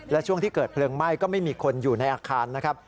และช่วงที่เกิดเพลิงไหม้ก็ไม่มีคนอยู่ในอาคารนะครับ